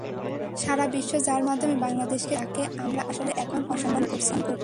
সারা বিশ্ব যাঁর মাধ্যমে বাংলাদেশকে চেনে, তাঁকে আমরা আসলে এখন অসম্মান করছি।